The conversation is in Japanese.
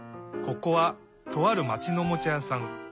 ここはとあるまちのおもちゃやさん。